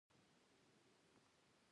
زړه یوازې هغه څوک خوښوي چې مهربان وي.